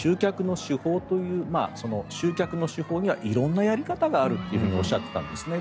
集客の手法にはいろんなやり方があるとおっしゃっていたんですね。